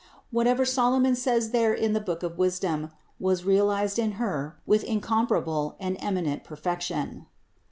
Whatever Solomon says there in the book of Wisdom was realized in Her with incomparable and eminent perfection.